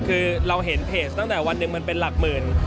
คือเราเห็นเพจตั้งแต่วันหนึ่งมันเป็นหลักหมื่น